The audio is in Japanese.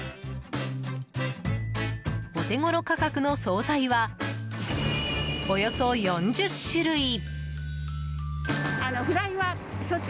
お手頃価格の総菜はおよそ４０種類。